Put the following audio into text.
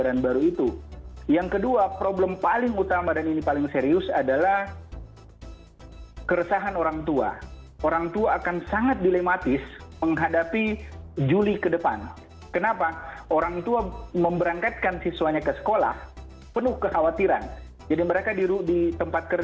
ini orang orang yang harus disadari oleh cambridge